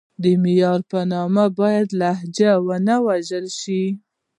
د معیار په نوم باید لهجې ونه وژل شي.